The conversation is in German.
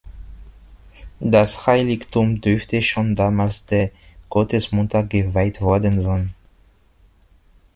Das Heiligtum dürfte schon damals der Gottesmutter geweiht worden sein.